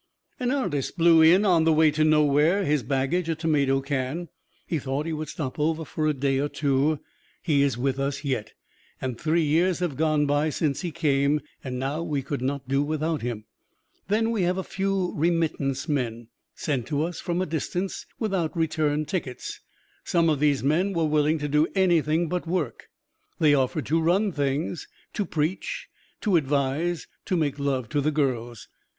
An artist blew in on the way to Nowhere, his baggage a tomato can. He thought he would stop over for a day or two he is with us yet, and three years have gone by since he came, and now we could not do without him. Then we have a few Remittance Men, sent to us from a distance, without return tickets. Some of these men were willing to do anything but work they offered to run things, to preach, to advise, to make love to the girls.